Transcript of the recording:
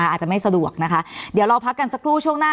อาจจะไม่สะดวกนะคะเดี๋ยวเราพักกันสักครู่ช่วงหน้า